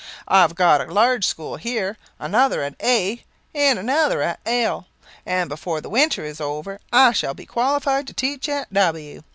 I have got a large school here, another at A and another at L ; and before the winter is over, I shall be qualified to teach at W